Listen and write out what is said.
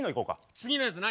次のやつ何？